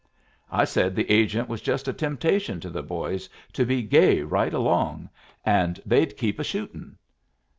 I said the agent was just a temptation to the boys to be gay right along, and they'd keep a shooting.